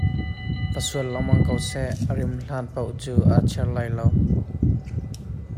Va sual lengmang ko seh! a rim hlan poh cu a chir lai lo.